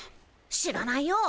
知らないよ。